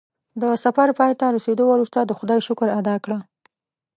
د سفر پای ته رسېدو وروسته د خدای شکر ادا کړه.